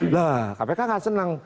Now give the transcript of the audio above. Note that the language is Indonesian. nah kpk tidak senang